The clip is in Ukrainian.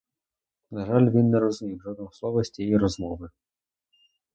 На жаль, він не розумів жодного слова з тієї розмови.